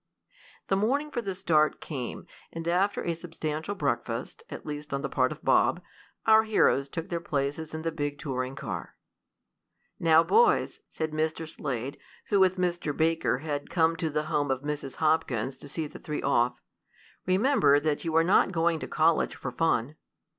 The morning for the start came, and after a substantial breakfast, at least on the part of Bob, our heroes took their places in the big touring car. "Now boys," said Mr. Slade, who, with Mr. Baker, had come to the home of Mrs. Hopkins to see the three off, "remember that you are not going to college for fun."